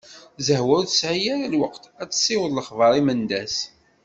Zehwa ur tesɛi ara lweqt ad tessiweḍ lexbar i Mendas.